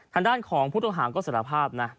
ทางด้านของพุทธภาพก็สารภาพนะ